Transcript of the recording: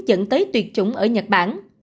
dẫn tới tuyệt chủng ở nhật bản